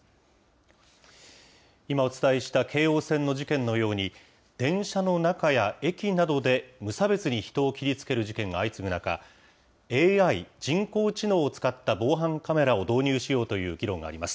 今お伝えした京王線の事件のように、電車の中や駅などで、無差別に人を切りつける事件が相次ぐ中、ＡＩ・人工知能を使った防犯カメラを導入しようという議論があります。